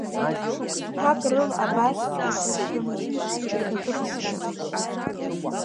Шықәсқәак рыла абас ихәашьрымызт ихатәы бызшәа.